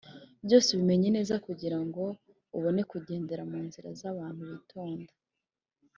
byose ubimenye neza, kugira ngo ubone kugendera mu nzira z’abantu bitonda